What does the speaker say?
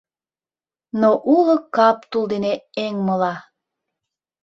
Но уло кап тул дене эҥмыла